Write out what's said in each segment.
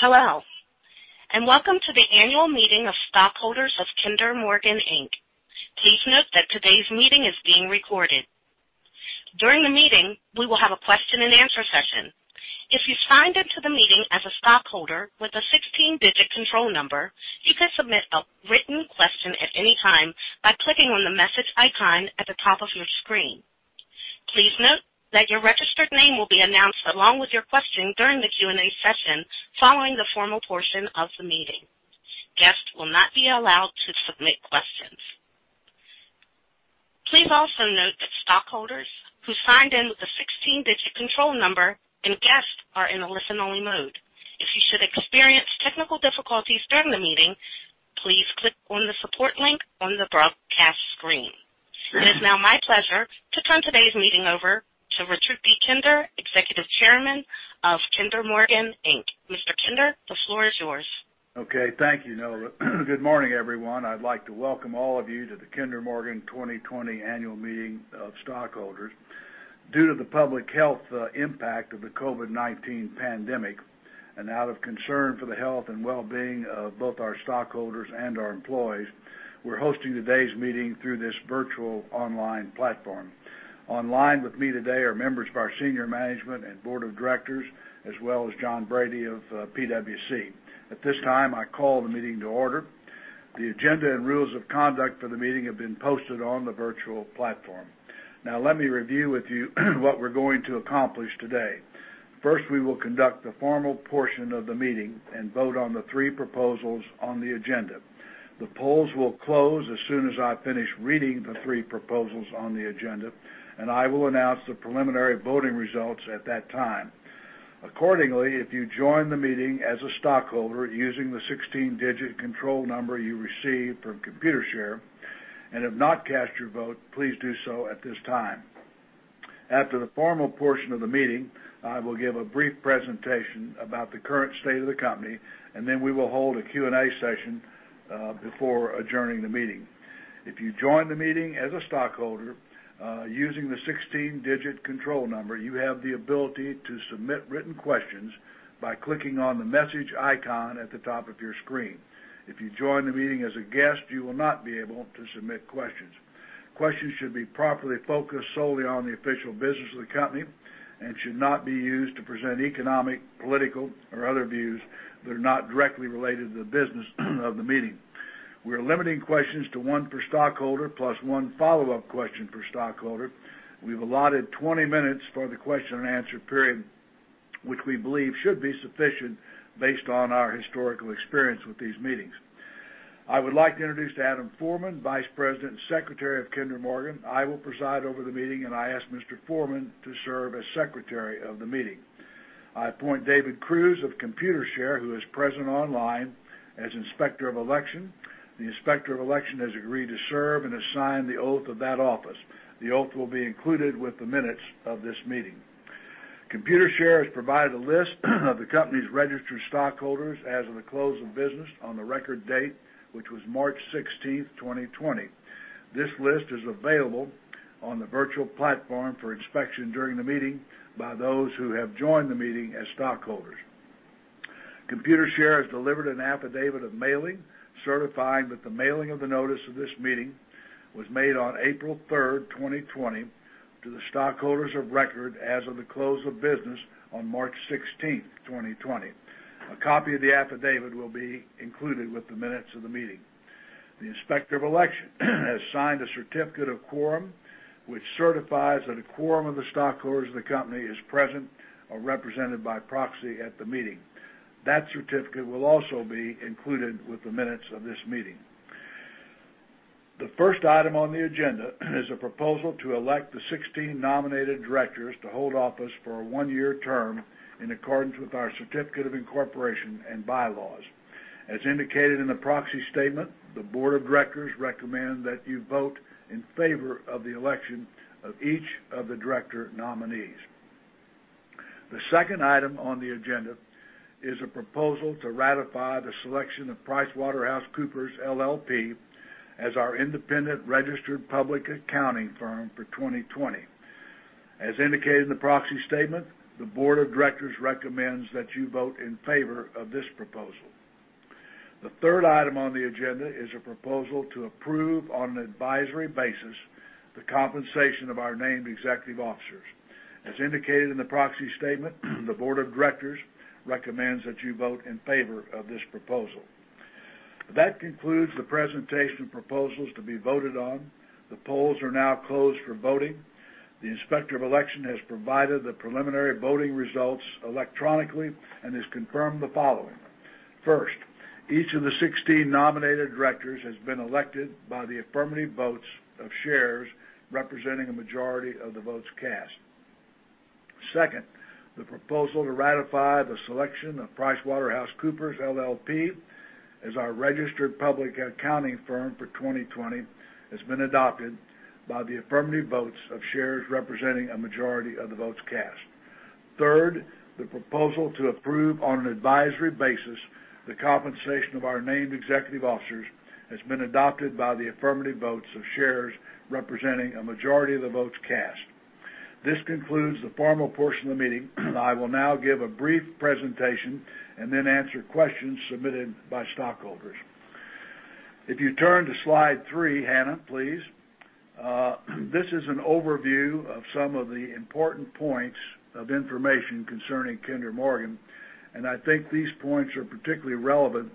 Hello, welcome to the annual meeting of stockholders of Kinder Morgan, Inc. Please note that today's meeting is being recorded. During the meeting, we will have a question and answer session. If you signed into the meeting as a stockholder with a 16-digit control number, you can submit a written question at any time by clicking on the message icon at the top of your screen. Please note that your registered name will be announced along with your question during the Q&A session, following the formal portion of the meeting. Guests will not be allowed to submit questions. Please also note that stockholders who signed in with a 16-digit control number and guests are in a listen-only mode. If you should experience technical difficulties during the meeting, please click on the support link on the broadcast screen. It is now my pleasure to turn today's meeting over to Richard D. Kinder, Executive Chairman of Kinder Morgan, Inc.. Mr. Kinder, the floor is yours. Thank you, Nora. Good morning, everyone. I'd like to welcome all of you to the Kinder Morgan 2020 Annual Meeting of Stockholders. Due to the public health impact of the COVID-19 pandemic, and out of concern for the health and wellbeing of both our stockholders and our employees, we're hosting today's meeting through this virtual online platform. Online with me today are members of our senior management and board of directors, as well as John Brady of PwC. At this time, I call the meeting to order. The agenda and rules of conduct for the meeting have been posted on the virtual platform. Let me review with you what we're going to accomplish today. First, we will conduct the formal portion of the meeting and vote on the three proposals on the agenda. The polls will close as soon as I finish reading the three proposals on the agenda, and I will announce the preliminary voting results at that time. Accordingly, if you join the meeting as a stockholder using the 16-digit control number you received from Computershare, and have not cast your vote, please do so at this time. After the formal portion of the meeting, I will give a brief presentation about the current state of the company, and then we will hold a Q&A session before adjourning the meeting. If you join the meeting as a stockholder using the 16-digit control number, you have the ability to submit written questions by clicking on the message icon at the top of your screen. If you join the meeting as a guest, you will not be able to submit questions. Questions should be properly focused solely on the official business of the company and should not be used to present economic, political, or other views that are not directly related to the business of the meeting. We are limiting questions to one per stockholder plus one follow-up question per stockholder. We've allotted 20 minutes for the question and answer period, which we believe should be sufficient based on our historical experience with these meetings. I would like to introduce Adam Forman, Vice President and Secretary of Kinder Morgan. I will preside over the meeting, and I ask Mr. Forman to serve as secretary of the meeting. I appoint David Cruz of Computershare, who is present online, as Inspector of Election. The Inspector of Election has agreed to serve and has signed the oath of that office. The oath will be included with the minutes of this meeting. Computershare has provided a list of the company's registered stockholders as of the close of business on the record date, which was March 16th, 2020. This list is available on the virtual platform for inspection during the meeting by those who have joined the meeting as stockholders. Computershare has delivered an affidavit of mailing, certifying that the mailing of the notice of this meeting was made on April 3rd, 2020, to the stockholders of record as of the close of business on March 16th, 2020. A copy of the affidavit will be included with the minutes of the meeting. The Inspector of Election has signed a certificate of quorum, which certifies that a quorum of the stockholders of the company is present or represented by proxy at the meeting. That certificate will also be included with the minutes of this meeting. The first item on the agenda is a proposal to elect the 16 nominated directors to hold office for a one-year term in accordance with our certificate of incorporation and bylaws. As indicated in the proxy statement, the board of directors recommend that you vote in favor of the election of each of the director nominees. The second item on the agenda is a proposal to ratify the selection of PricewaterhouseCoopers LLP as our independent registered public accounting firm for 2020. As indicated in the proxy statement, the board of directors recommends that you vote in favor of this proposal. The third item on the agenda is a proposal to approve, on an advisory basis, the compensation of our named executive officers. As indicated in the proxy statement, the board of directors recommends that you vote in favor of this proposal. That concludes the presentation of proposals to be voted on. The polls are now closed for voting. The Inspector of Election has provided the preliminary voting results electronically and has confirmed the following. First, each of the 16 nominated directors has been elected by the affirmative votes of shares representing a majority of the votes cast. Second, the proposal to ratify the selection of PricewaterhouseCoopers LLP as our registered public accounting firm for 2020 has been adopted by the affirmative votes of shares representing a majority of the votes cast. Third, the proposal to approve, on an advisory basis, the compensation of our named executive officers has been adopted by the affirmative votes of shares representing a majority of the votes cast. This concludes the formal portion of the meeting. I will now give a brief presentation and then answer questions submitted by stockholders. If you turn to slide three, Hannah, please. This is an overview of some of the important points of information concerning Kinder Morgan. I think these points are particularly relevant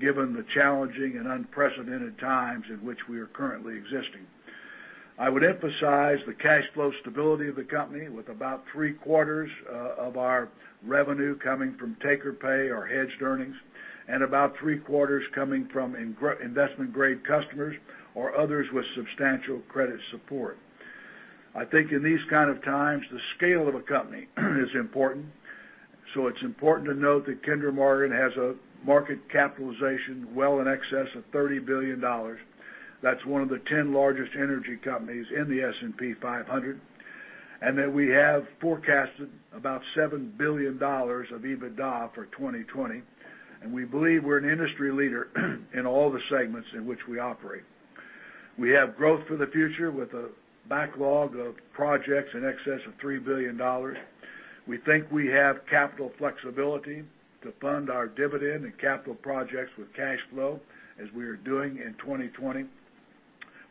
given the challenging and unprecedented times in which we are currently existing. I would emphasize the cash flow stability of the company with about three-quarters of our revenue coming from take-or-pay or hedged earnings, about three-quarters coming from investment-grade customers or others with substantial credit support. I think in these kind of times, the scale of a company is important. It's important to note that Kinder Morgan has a market capitalization well in excess of $30 billion. That's one of the 10 largest energy companies in the S&P 500, that we have forecasted about $7 billion of EBITDA for 2020, we believe we're an industry leader in all the segments in which we operate. We have growth for the future with a backlog of projects in excess of $3 billion. We think we have capital flexibility to fund our dividend and capital projects with cash flow as we are doing in 2020.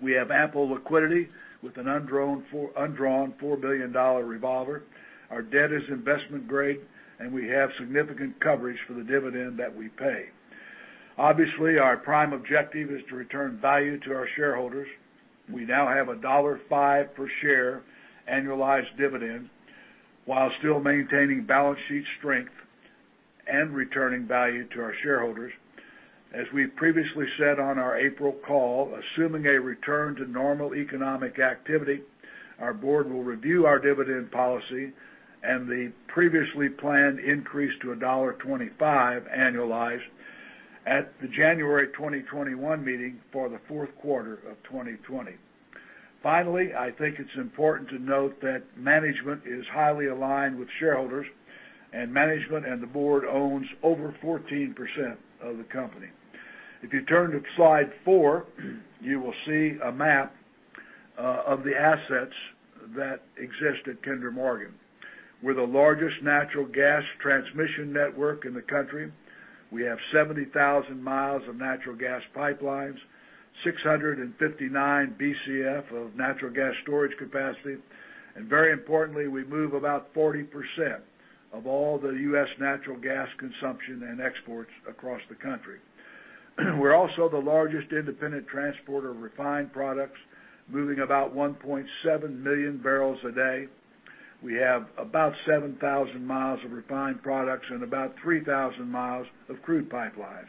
We have ample liquidity with an undrawn $4 billion revolver. Our debt is investment-grade, and we have significant coverage for the dividend that we pay. Obviously, our prime objective is to return value to our shareholders. We now have a $1.05 per share annualized dividend while still maintaining balance sheet strength and returning value to our shareholders. As we previously said on our April call, assuming a return to normal economic activity, our board will review our dividend policy and the previously planned increase to $1.25 annualized at the January 2021 meeting for the fourth quarter of 2020. I think it's important to note that management is highly aligned with shareholders, and management and the board owns over 14% of the company. If you turn to slide four, you will see a map of the assets that exist at Kinder Morgan. We're the largest natural gas transmission network in the country. We have 70,000 miles of natural gas pipelines, 659 Bcf of natural gas storage capacity, and very importantly, we move about 40% of all the U.S. natural gas consumption and exports across the country. We're also the largest independent transporter of refined products, moving about 1.7 million barrels a day. We have about 7,000 miles of refined products and about 3,000 miles of crude pipelines.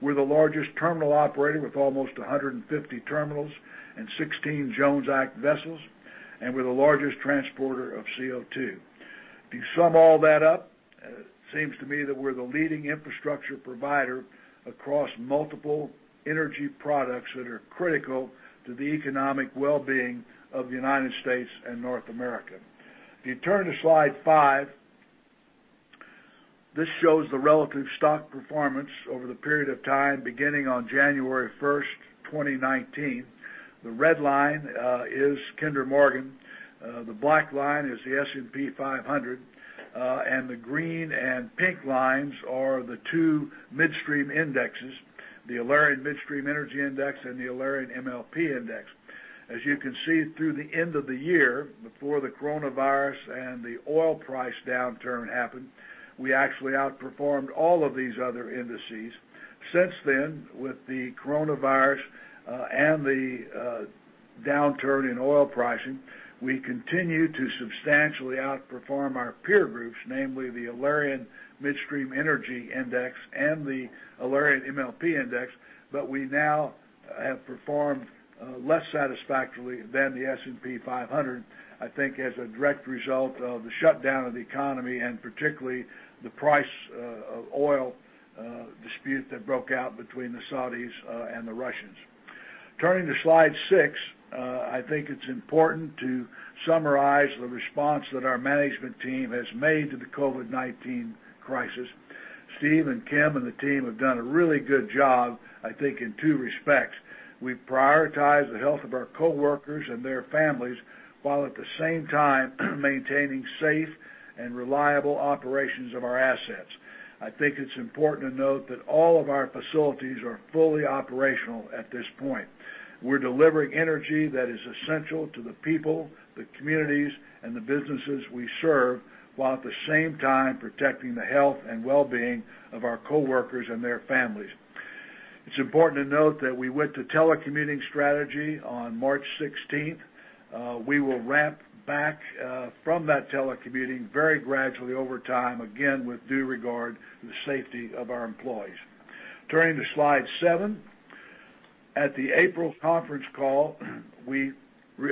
We're the largest terminal operator with almost 150 terminals and 16 Jones Act vessels. We're the largest transporter of CO2. To sum all that up, it seems to me that we're the leading infrastructure provider across multiple energy products that are critical to the economic well-being of the United States and North America. If you turn to slide five, this shows the relative stock performance over the period of time beginning on January 1st, 2019. The red line is Kinder Morgan, the black line is the S&P 500, and the green and pink lines are the two midstream indexes, the Alerian Midstream Energy Index and the Alerian MLP Index. As you can see through the end of the year before the coronavirus and the oil price downturn happened, we actually outperformed all of these other indices. Since then, with the coronavirus, and the downturn in oil pricing, we continue to substantially outperform our peer groups, namely the Alerian Midstream Energy Index and the Alerian MLP Index, but we now have performed less satisfactorily than the S&P 500, I think as a direct result of the shutdown of the economy and particularly the price of oil dispute that broke out between the Saudis and the Russians. Turning to slide six, I think it's important to summarize the response that our management team has made to the COVID-19 crisis. Steve and Kim and the team have done a really good job, I think in two respects. We prioritize the health of our coworkers and their families, while at the same time maintaining safe and reliable operations of our assets. I think it's important to note that all of our facilities are fully operational at this point. We're delivering energy that is essential to the people, the communities, and the businesses we serve, while at the same time protecting the health and well-being of our coworkers and their families. It's important to note that we went to telecommuting strategy on March 16th. We will ramp back from that telecommuting very gradually over time, again, with due regard to the safety of our employees. Turning to slide seven. At the April conference call, we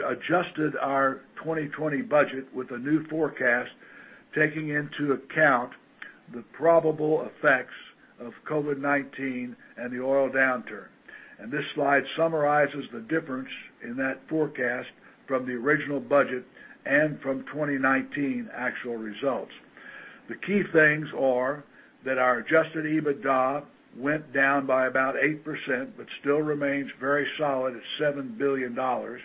adjusted our 2020 budget with a new forecast, taking into account the probable effects of COVID-19 and the oil downturn. This slide summarizes the difference in that forecast from the original budget and from 2019 actual results. The key things are that our adjusted EBITDA went down by about 8%, but still remains very solid at $7 billion. Our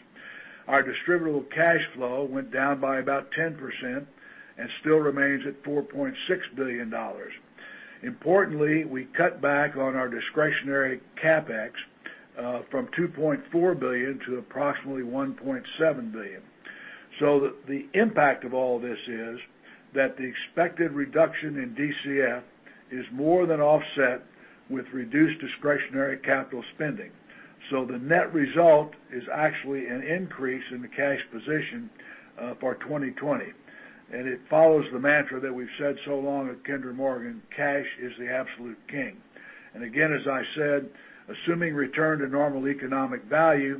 distributable cash flow went down by about 10% and still remains at $4.6 billion. We cut back on our discretionary CapEx from $2.4 billion to approximately $1.7 billion. The impact of all this is that the expected reduction in DCF is more than offset with reduced discretionary capital spending. The net result is actually an increase in the cash position for 2020. It follows the mantra that we've said so long at Kinder Morgan, cash is the absolute king. Again, as I said, assuming return to normal economic value,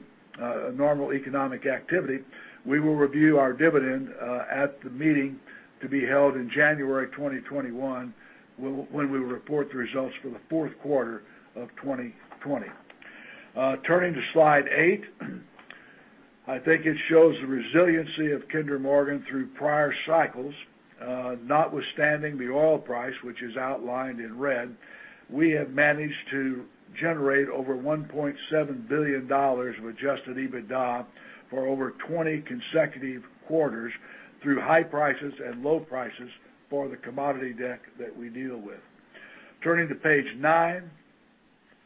normal economic activity, we will review our dividend at the meeting to be held in January 2021, when we report the results for the fourth quarter of 2020. Turning to slide eight, I think it shows the resiliency of Kinder Morgan through prior cycles, notwithstanding the oil price, which is outlined in red. We have managed to generate over $1.7 billion of adjusted EBITDA for over 20 consecutive quarters through high prices and low prices for the commodity deck that we deal with. Turning to page nine,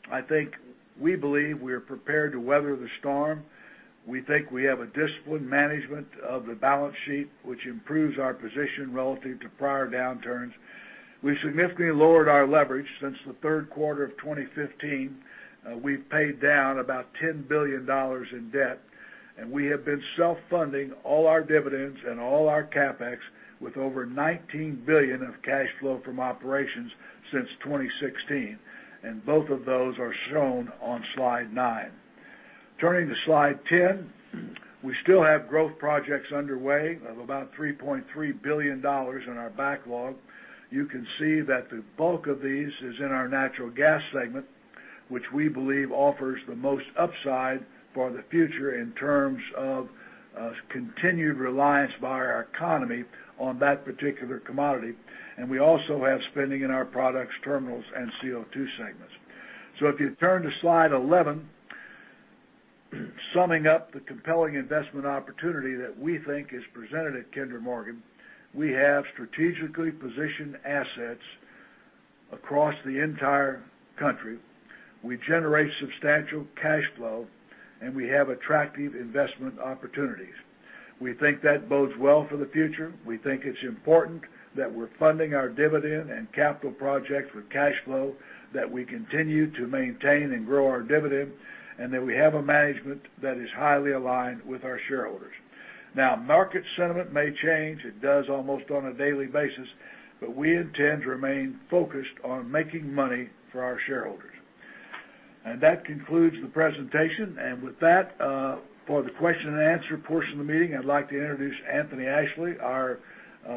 I think we believe we are prepared to weather the storm. We think we have a disciplined management of the balance sheet, which improves our position relative to prior downturns. We've significantly lowered our leverage since the third quarter of 2015. We've paid down about $10 billion in debt, and we have been self-funding all our dividends and all our CapEx with over $19 billion of cash flow from operations since 2016, and both of those are shown on slide nine. Turning to slide 10. We still have growth projects underway of about $3.3 billion in our backlog. You can see that the bulk of these is in our natural gas segment, which we believe offers the most upside for the future in terms of continued reliance by our economy on that particular commodity. We also have spending in our products, terminals, and CO2 segments. If you turn to slide 11, summing up the compelling investment opportunity that we think is presented at Kinder Morgan, we have strategically positioned assets across the entire country. We generate substantial cash flow, and we have attractive investment opportunities. We think that bodes well for the future. We think it's important that we're funding our dividend and capital project for cash flow, that we continue to maintain and grow our dividend, and that we have a management that is highly aligned with our shareholders. Market sentiment may change. It does almost on a daily basis. We intend to remain focused on making money for our shareholders. That concludes the presentation. With that, for the question and answer portion of the meeting, I'd like to introduce Anthony Ashley, our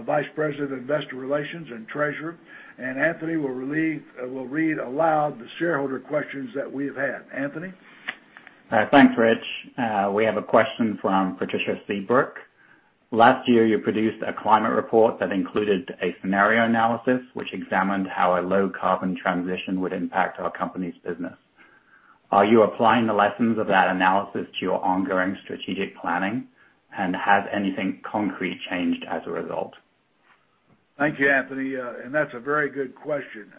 Vice President of Investor Relations and Treasurer. Anthony will read aloud the shareholder questions that we've had. Anthony? Thanks, Rich. We have a question from Patricia Seabrook. Last year, you produced a climate report that included a scenario analysis which examined how a low-carbon transition would impact our company's business. Are you applying the lessons of that analysis to your ongoing strategic planning? Has anything concrete changed as a result? Thank you, Anthony. That's a very good question.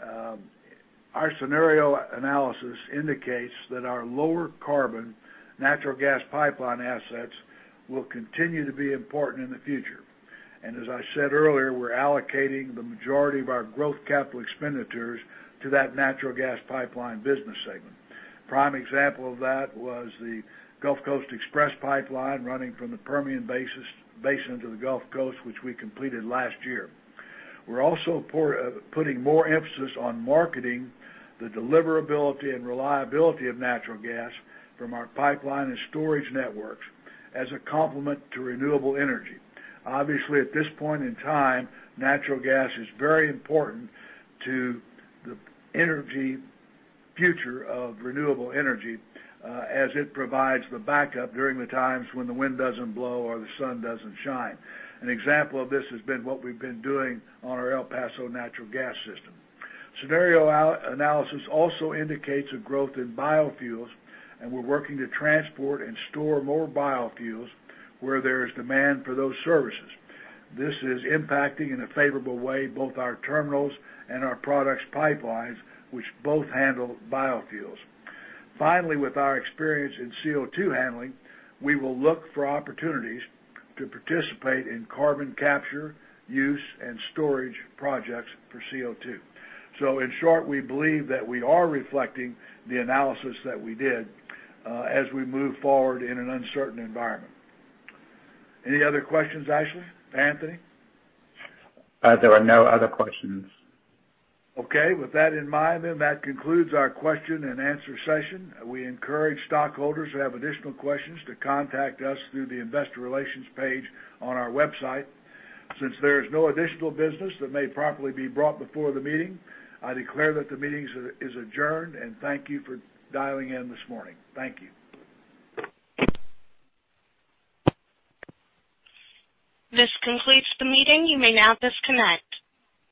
Our scenario analysis indicates that our lower carbon natural gas pipeline assets will continue to be important in the future. As I said earlier, we're allocating the majority of our growth capital expenditures to that natural gas pipeline business segment. Prime example of that was the Gulf Coast Express Pipeline running from the Permian Basin to the Gulf Coast, which we completed last year. We're also putting more emphasis on marketing the deliverability and reliability of natural gas from our pipeline and storage networks as a complement to renewable energy. Obviously, at this point in time, natural gas is very important to the future of renewable energy, as it provides the backup during the times when the wind doesn't blow or the sun doesn't shine. An example of this has been what we've been doing on our El Paso Natural Gas system. Scenario analysis also indicates a growth in biofuels, and we're working to transport and store more biofuels where there is demand for those services. This is impacting in a favorable way, both our terminals and our products pipelines, which both handle biofuels. Finally, with our experience in CO2 handling, we will look for opportunities to participate in carbon capture, use, and storage projects for CO2. In short, we believe that we are reflecting the analysis that we did as we move forward in an uncertain environment. Any other questions, Ashley? Anthony? There are no other questions. Okay. With that in mind, that concludes our question and answer session. We encourage stockholders who have additional questions to contact us through the investor relations page on our website. Since there is no additional business that may properly be brought before the meeting, I declare that the meeting is adjourned, and thank you for dialing in this morning. Thank you. This concludes the meeting. You may now disconnect.